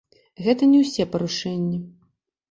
Гэта не ўсе парушэнні.